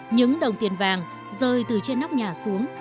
những đồng tiền vàng rơi từ trên nóc nhà xuống